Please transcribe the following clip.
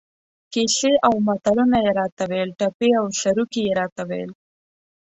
کیسې او متلونه یې را ته ویل، ټپې او سروکي یې را ته ویل.